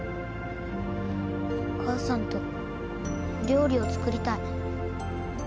お母さんと料理を作りたい。